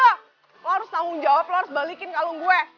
lu harus tanggung jawab lu harus balikin kalung gue